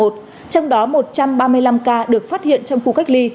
trong đó một trăm ba mươi năm ca được phát hiện trong khu cách ly